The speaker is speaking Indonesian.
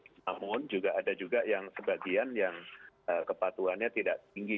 namun juga ada juga yang sebagian yang kepatuhannya tidak tinggi